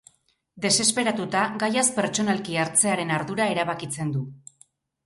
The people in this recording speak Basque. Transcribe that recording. Desesperatuta, gaiaz pertsonalki hartzearen ardura erabakitzen du.